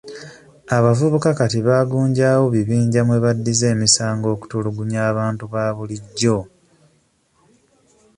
Abavubuka kati bagunjaawo bibinja mwe baddiza emisango okutulugunya abantu ba bulijjo.